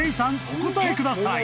お答えください］